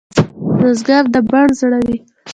بزګر د بڼ زړه وي